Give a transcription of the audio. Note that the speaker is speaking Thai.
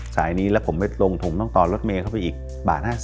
สายนี้แล้วผมไปลงถุงต้องต่อรถเมย์เข้าไปอีกบาท๕๐